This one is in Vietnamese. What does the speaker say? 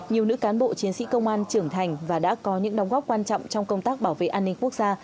nhiều nữ cán bộ chiến sĩ công an trưởng thành và đã có những đóng góp quan trọng trong công tác bảo vệ an ninh quốc gia